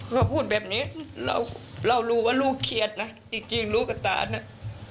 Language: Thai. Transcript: เขาพูดแบบนี้เรารู้ว่าลูกเครียดนะจริงลูกกับตาน่ะ